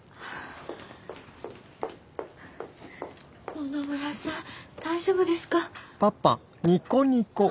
野々村さん大丈夫ですか？